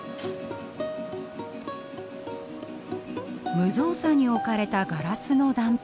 無造作に置かれたガラスの断片。